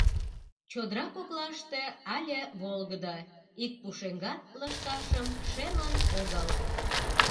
Чодыра коклаште але волгыдо — ик пушеҥгат лышташым шелын огыл.